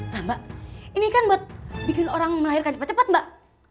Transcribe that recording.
lah mbak ini kan buat bikin orang melahirkan cepet cepet mbak